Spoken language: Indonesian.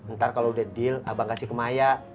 ntar kalau udah deal abang kasih ke maya